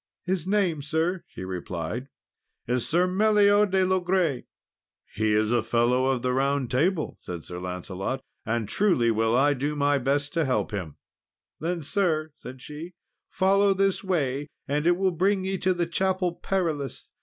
"His name, sir," she replied, "is Sir Meliot de Logres." "He is a Fellow of the Round Table," said Sir Lancelot, "and truly will I do my best to help him." "Then, sir," said she, "follow this way, and it will bring ye to the Chapel Perilous.